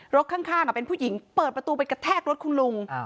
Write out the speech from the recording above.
รถข้างเป็นผู้หญิงเปิดประตูไปกระแทกรถคุณลุง